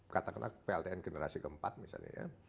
katakanlah pltn generasi keempat misalnya ya